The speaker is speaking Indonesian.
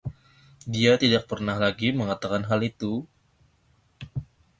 Dia tidak pernah lagi mengatakan hal itu.